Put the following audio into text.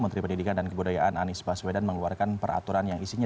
menteri pendidikan dan kebudayaan anies baswedan mengeluarkan peraturan yang isinya